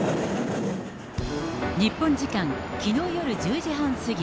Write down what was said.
日本時間きのう夜１０時半過ぎ。